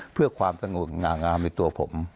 เพื่อความสงบง่างามในตัวผม